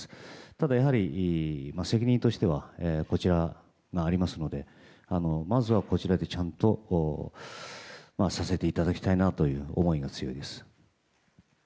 ただ、責任としてはこちら側にありますのでまずはこちらでちゃんと支えていきたいなという思いが強いです。